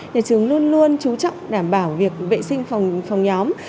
nhà trường luôn luôn chú trọng đảm bảo việc vệ sinh phòng nhóm